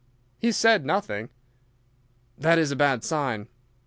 "He has said nothing." "That is a bad sign."